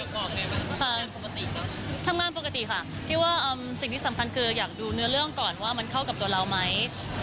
ทำงานปกติค่ะพี่ว่าสิ่งที่สำคัญคืออยากดูเนื้อเรื่องก่อนว่ามันเข้ากับตัวเราไหม